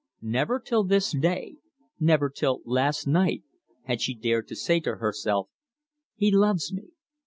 Never till this day, never till last night, had she dared to say to herself, He loves me.